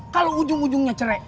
kalau ujung ujungnya cerai